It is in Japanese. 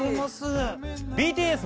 「ＢＴＳ」